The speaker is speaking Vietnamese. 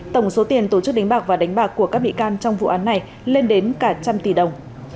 tổng số tiền tổ chức đánh bạc và đánh bạc của các bị can trong vụ án này lên đến cả trăm tỷ đồng